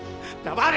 黙れ